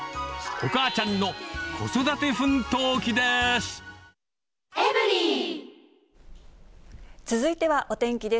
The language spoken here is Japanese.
お母ちゃんの子育て奮闘記です。